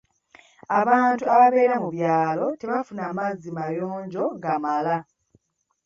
Abantu ababeera mu byalo tebafuna mazzi mayonjo gamala.